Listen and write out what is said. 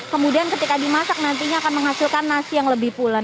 kemudian ketika dimasak nantinya akan menghasilkan nasi yang lebih pulen